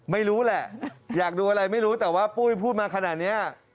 ไม่รู้แหละอยากดูอะไรไม่รู้แต่ว่าปุ้ยพูดมาขนาดนี้